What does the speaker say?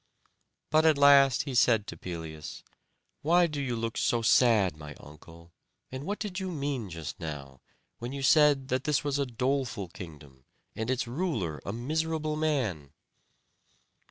But at last he said to Pelias, "Why do you look so sad, my uncle? And what did you mean just now, when you said that this was a doleful kingdom, and its ruler a miserable man?"